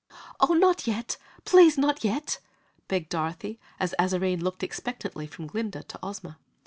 "Oh, not yet! Please, not yet!" begged Dorothy, as Azarine looked expectantly from Glinda to Ozma.